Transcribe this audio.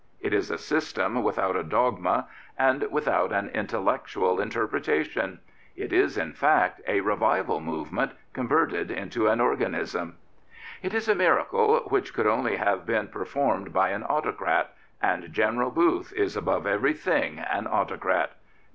It is a system without a dogma and without an intellectual interpretation. It is, in fact, a revival movement converted into an organism. It is a miracle which could only have been per formed by an autocrat, and General Booth is above everything an autocrat.